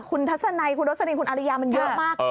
คุณทัศนัยคุณโรสลินคุณอาริยามันเยอะมาก